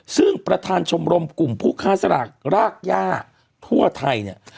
ซึ่งประธานชมรมกลุ่มผู้ค้าสลากรากย่าทั่วไทยเนี่ย